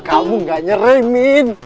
kamu gak nyeremin